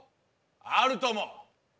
あるとも。